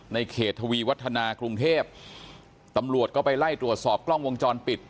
ในเขตทวีวัฒนากรุงเทพตำรวจก็ไปไล่ตรวจสอบกล้องวงจรปิด